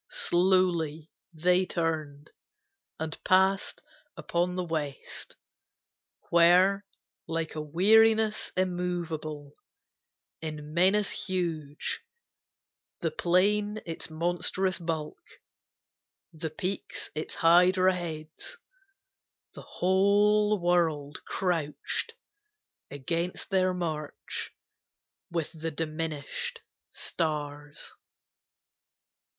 Slowly they turned, and passed upon the west Where, like a weariness immovable In menace huge, the plain its monstrous bulk, The peaks its hydra heads, the whole world crouched Against their march with the diminished stars.